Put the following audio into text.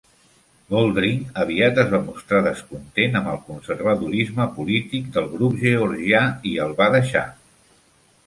Goldring aviat es va mostrar descontent amb el conservadorisme polític del Grup Georgià, i el va deixar.